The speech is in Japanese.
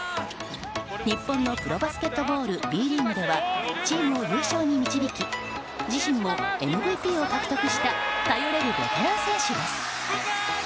日本のプロバスケットボールＢリーグではチームを優勝に導き自身もＭＶＰを獲得した頼れるベテラン選手です。